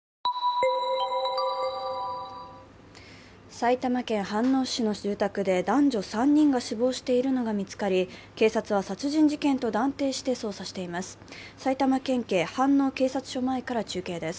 埼玉県飯能市の住宅で男女３人が死亡しているのが見つかり、警察は殺人事件と断定して捜査しています。